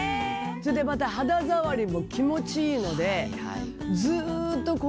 それでまた肌触りも気持ちいいので。